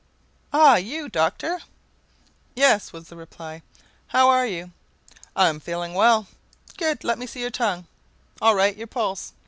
"Ah! you, Doctor?" "Yes," was the reply. "How are you?" "I am feeling well." "Good! Let me see your tongue. All right! Your pulse.